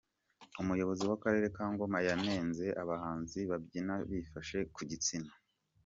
Umuyobozi w’Akarere ka Ngoma yanenze abahanzi babyina bifashe ku gitsina